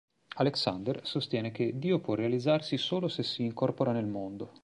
Alexander sostiene che Dio può realizzarsi solo se si incorpora nel mondo.